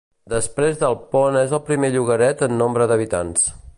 Després d'Alpont és el primer llogaret en nombre d'habitants.